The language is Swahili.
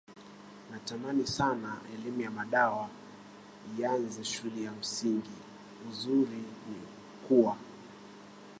Natamani sana elimu ya madawa ianze shule ya msingiUzuri ni kuwa